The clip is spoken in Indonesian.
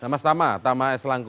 tamas tama tamas langku